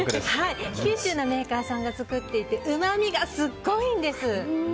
九州のメーカーさんが作っていてうまみがすごいんです！